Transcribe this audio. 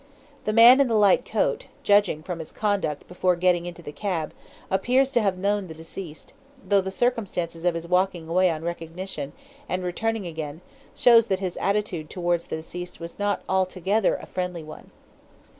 The man in the light coat, judging from his conduct before getting into the cab, appears to have known the deceased, though the circumstance of his walking away on recognition, and returning again, shows that his attitude towards the deceased was not altogether a friendly one.